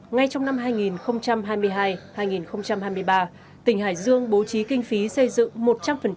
ngay trong năm hai nghìn hai mươi hai hai nghìn hai mươi ba tỉnh hải dương bố trí kinh phí xây dựng một trăm linh